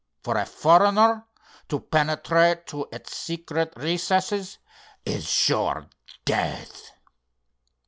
For a foreigner to penetrate to its secret recesses, is sure death."